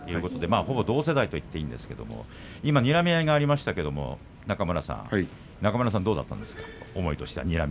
ほぼ同世代と言っていいんですけれどにらみ合いがありましたが中村さん、どうだったんですか。